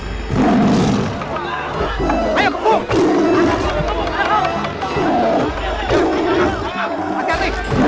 hai ayo kebun